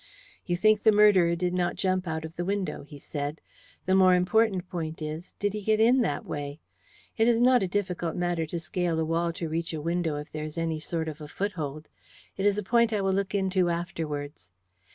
"You think the murderer did not jump out of the window," he said. "The more important point is, did he get in that way? It is not a difficult matter to scale a wall to reach a window if there is any sort of a foothold. It is a point I will look into afterwards."